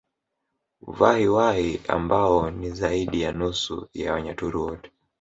Vahi Wahi ambao ni zaidi ya nusu ya Wanyaturu wote